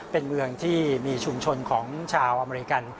เป็นเมืองที่มีชุมชนของชาวอเมริกัน